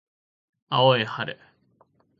青い春